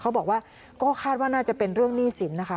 เขาบอกว่าก็คาดว่าน่าจะเป็นเรื่องหนี้สินนะคะ